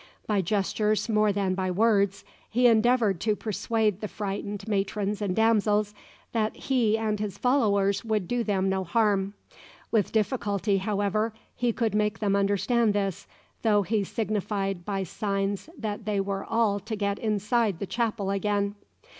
By gestures more than by words, he endeavoured to persuade the frightened matrons and damsels that he and his followers would do them no harm. With difficulty, however, he could make them understand this, though he signified by signs that they were all to get inside the chapel again.